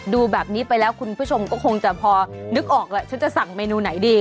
ดูแบบนี้ไปแล้วคุณผู้ชมก็คงจะพอนึกออกแล้วฉันจะสั่งเมนูไหนดี